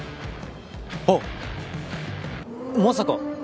あっまさか。